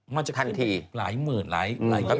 มันจะขึ้นหลายหมื่นหลายก็เยอะมาก